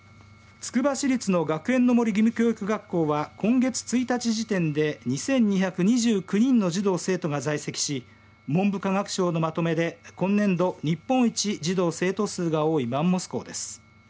つくば市立の学園の森義務教育学校は今月１日時点で２２２９人の児童生徒が在籍し文部科学省のまとめで今年度日本一児童生徒数が多いマンモス校です。